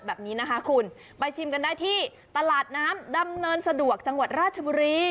แบบนี้นะคะคุณไปชิมกันได้ที่ตลาดน้ำดำเนินสะดวกจังหวัดราชบุรี